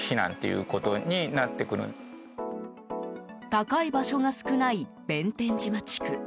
高い場所が少ない弁天島地区。